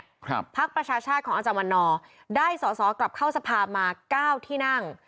พักประชาชาติของอาจารย์วันนอร์ได้สอสอกลับเข้าสภามาเก้าที่นั่ง